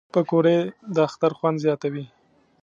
پکورې د اختر خوند زیاتوي